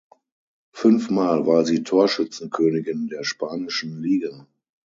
Fünfmal war sie Torschützenkönigin der spanischen Liga.